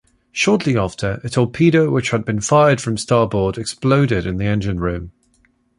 Shortly after, a torpedo which had been fired from starboard exploded in the engine room.